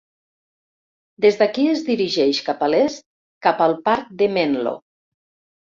Des d'aquí, es dirigeix cap a l'est cap al parc de Menlo.